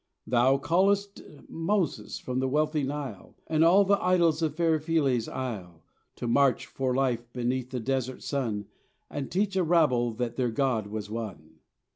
Thou calledst Moses from the wealthy Nile And all the idols of fair Philae's isle, To march for life beneath the desert sun And teach a rabble that their God was one.